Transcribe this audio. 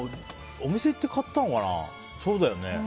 お店行って買ったのかな。